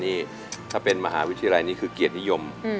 นี่ถ้าเป็นมหาวิทยาลัยนี่คือเกียรตินิยม